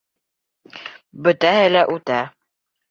Бөтәһе лә үтә...